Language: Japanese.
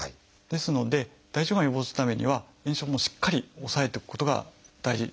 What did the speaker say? ですので大腸がんを予防するためには炎症もしっかり抑えていくことが大事。